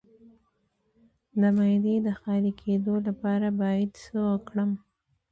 د معدې د خالي کیدو لپاره باید څه وکړم؟